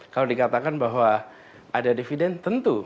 kalau dikatakan bahwa ada dividen tentu